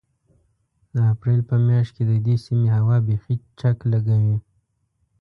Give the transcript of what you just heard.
د اپرېل په مياشت کې د دې سيمې هوا بيخي چک لګوي.